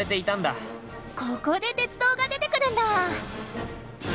ここで鉄道が出てくるんだ！